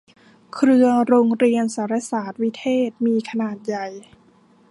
เครือโรงเรียนสารสาสน์วิเทศมีขนาดใหญ่